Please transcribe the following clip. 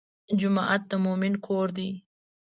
جومات د مؤمن کور دی.